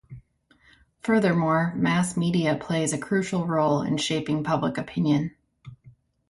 Furthermore, mass media plays a crucial role in shaping public opinion.